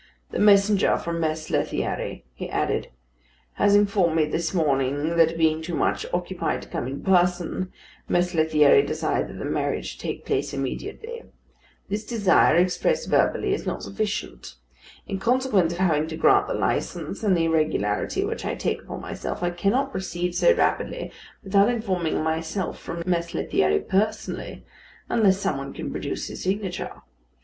"The messenger from Mess Lethierry," he added, "has informed me this morning that being too much occupied to come in person, Mess Lethierry desired that the marriage should take place immediately. This desire, expressed verbally, is not sufficient. In consequence of having to grant the licence, and of the irregularity which I take upon myself, I cannot proceed so rapidly without informing myself from Mess Lethierry personally, unless some one can produce his signature.